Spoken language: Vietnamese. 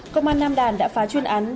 công an nam đàn đã phá chuyên án đấu chế